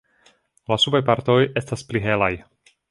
La subaj partoj estas pli helaj.